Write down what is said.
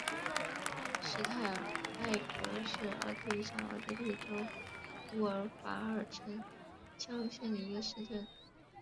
施泰尔埃格是奥地利上奥地利州乌尔法尔城郊县的一个市镇。